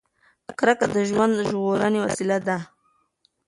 کرکه د ژوند ژغورنې وسیله ده.